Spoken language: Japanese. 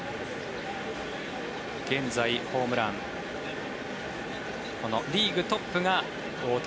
現在、ホームランこのリーグトップが大谷。